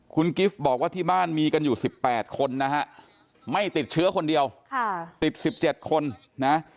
คุณกิฟต์บอกว่าที่บ้านมีกันอยู่๑๘คนนะฮะไม่ติดเชื้อคนเดียวติด๑๗คนนะ